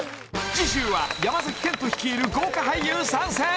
次週は山賢人率いる豪華俳優参戦！